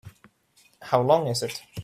How long is it?